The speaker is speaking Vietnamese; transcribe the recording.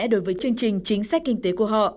đối với chương trình chính sách kinh tế của họ